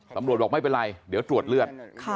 บอกไม่เป็นไรเดี๋ยวตรวจเลือด